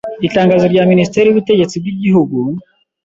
Itangazo rya minisiteri y'ubutegetsi bw'igihugu